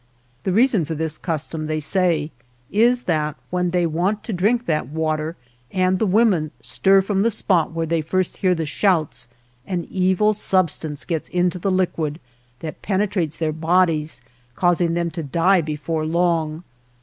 The reason for this custom, they say, is that when they want to drink that water and the women stir from the spot where they first hear the shouts, an evil substance gets into the liquid that penetrates their bodies, causing them to die before long.